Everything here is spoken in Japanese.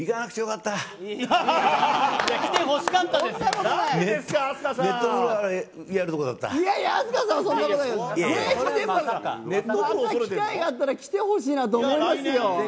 また機会があったら来てほしいなと思いますよ。